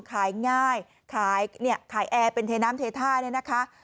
ขายง่ายขายเนี่ยขายแอร์เป็นเทน้ำเทท่าเนี่ยนะคะ